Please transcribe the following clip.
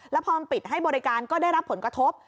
แล้วพอปิดให้บริการก็ได้รับผลกระทบ